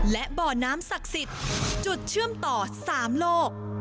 และบ่อน้ำศักดิ์สิทธิ์จุดเชื่อมต่อ๓โลก